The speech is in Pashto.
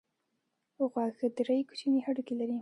غوږ درې کوچني هډوکي لري.